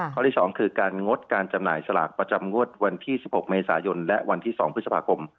ข้อที่๒คือการงดการจำหน่ายสลากประจำงวดวันที่๑๖เมษายนและวันที่๒พฤษภาคม